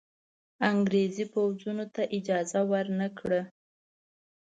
انګرېزي پوځونو ته اجازه ورنه کړه.